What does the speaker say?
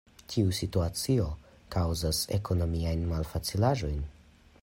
Tiu situacio kaŭzas ekonomiajn malfacilaĵojn.